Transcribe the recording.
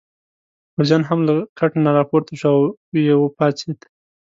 اکبرجان هم له کټ نه راپورته شو او یې پاڅېد.